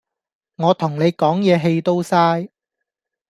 我同你講嘢氣都嘥